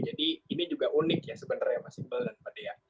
jadi ini juga unik ya sebenarnya mas iqbal dan pak dea